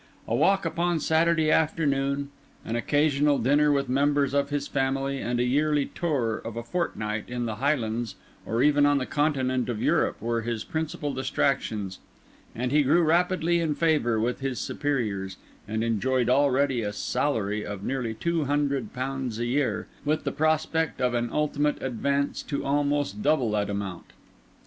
A walk upon Saturday afternoon, an occasional dinner with members of his family, and a yearly tour of a fortnight in the Highlands or even on the continent of Europe, were his principal distractions, and, he grew rapidly in favour with his superiors, and enjoyed already a salary of nearly two hundred pounds a year, with the prospect of an ultimate advance to almost double that amount.